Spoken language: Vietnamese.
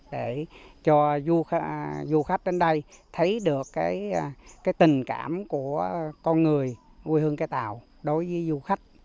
để cho du khách đến đây thấy được cái tình cảm của con người quê hương cái tàu đối với du khách